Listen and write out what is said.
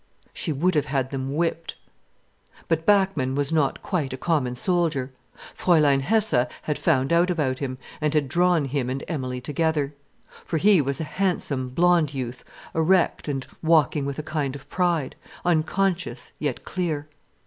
She would have had them whipped. But Bachmann was not quite a common soldier. Fräulein Hesse had found out about him, and had drawn him and Emilie together. For he was a handsome, blond youth, erect and walking with a kind of pride, unconscious yet clear.